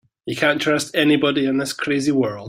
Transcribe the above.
You can't trust anybody in this crazy world.